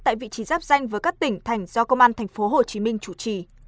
tại vị trí giáp danh với các tỉnh thành do công an tp hcm chủ trì